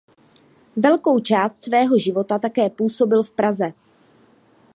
Velkou část svého života také působil v Praze.